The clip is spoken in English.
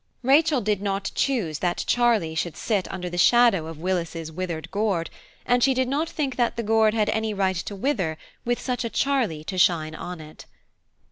Rachel did not choose that Charlie should sit under the shadow of Willis's withered gourd, and she did not think that the gourd had any right to wither with such a Charlie to shine on it.